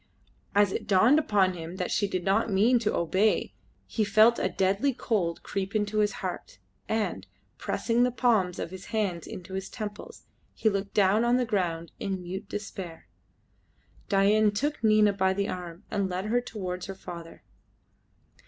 As it dawned upon him that she did not mean to obey he felt a deadly cold creep into his heart, and, pressing the palms of his hands to his temples, he looked down on the ground in mute despair. Dain took Nina by the arm and led her towards her father.